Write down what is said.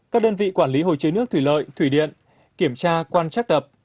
các đơn vị quản lý hồ chứa nước thủy lợi thủy điện kiểm tra quan trắc đập